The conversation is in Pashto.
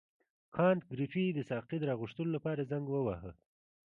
کانت ګریفي د ساقي د راغوښتلو لپاره زنګ وواهه.